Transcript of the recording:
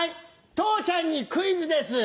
父ちゃんにクイズです。